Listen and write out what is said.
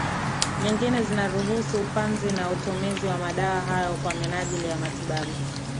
nyingine zinaruhusu upanzi na utumizi wa madawa hayo kwa minajili ya matibabu